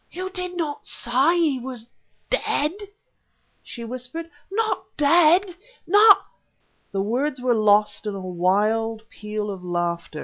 "You did not say he was dead?" she whispered, "not dead! not ..." The words were lost in a wild peal of laughter.